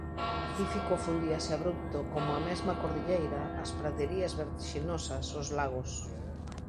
Pacífico fundíase, abrupto, como a mesma cordilleira, as praderías vertixinosas, os lagos.